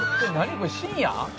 これ深夜？」